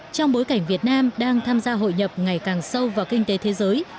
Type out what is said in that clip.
trong bối cảnh việt nam đang tham gia hội nhập ngày càng sâu vào kinh tế thế giới